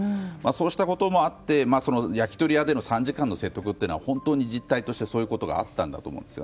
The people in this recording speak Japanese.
そうしたこともあって焼き鳥屋での３時間での説得というのは本当に実体としてそういうことがあったんだと思います。